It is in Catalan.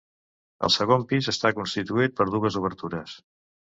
El segon pis està constituït per dues obertures.